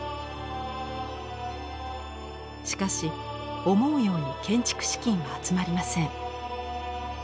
しかし思うように建設資金は集まりません。